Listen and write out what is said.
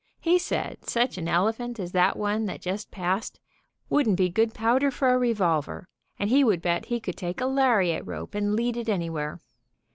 He said such an elephant as that one that just passed wouldn't be good powder for a revolver, and he would bet he could take a lariat rope and lead it anywhere.